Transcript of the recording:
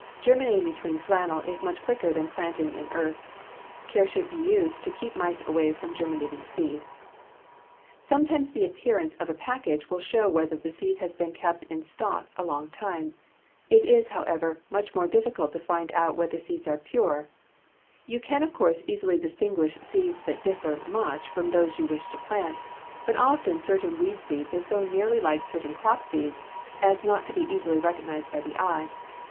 Germinating between flannel is much quicker than planting in earth. Care should be used to keep mice away from germinating seeds. (See Fig. 61.) [Illustration: FIG. 61. A SEED GERMINATOR Consisting of two soup plates, some sand, and a piece of cloth] Sometimes the appearance of a package will show whether the seed has been kept in stock a long time. It is, however, much more difficult to find out whether the seeds are pure. You can of course easily distinguish seeds that differ much from those you wish to plant, but often certain weed seeds are so nearly like certain crop seeds as not to be easily recognized by the eye.